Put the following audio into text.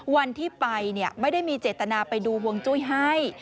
วันที่ไปไม่ได้มีเจตนาไปดูวงจุ้ยให้